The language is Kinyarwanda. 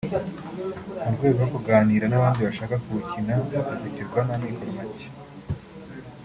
mu rwego rwo kunganira n’abandi bashaka kuwukina bakazitirwa n’amikoro make